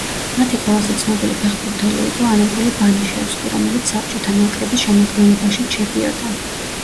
მათი ყველაზე ცნობილი ფეხბურთელი იყო ანატოლი ბანიშევსკი, რომელიც საბჭოთა ნაკრების შემადგენლობაშიც შედიოდა.